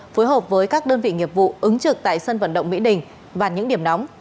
phối hợp với các đơn vị nghiệp vụ ứng trực tại sân vận động mỹ đình và những điểm nóng